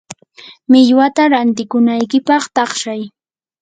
millwata rantikunaykipaq taqshay.